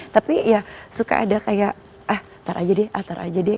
tapi ya suka ada kayak eh ntar aja deh ah ntar aja deh